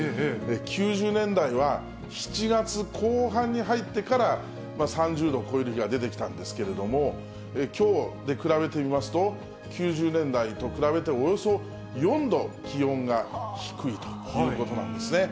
９０年代は、７月後半に入ってから３０度を超える日が出てきたんですけれども、きょうで比べてみますと、９０年代と比べておよそ４度気温が低いということなんですね。